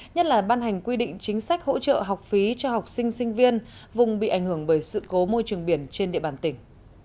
nhất là ban hành quy định chính sách hỗ trợ học phí cho học sinh sinh viên vùng bị ảnh hưởng bởi sự cố môi trường biển trên địa bàn tỉnh